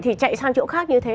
thì chạy sang chỗ khác như thế